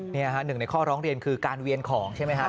หนึ่งในข้อร้องเรียนคือการเวียนของใช่ไหมครับ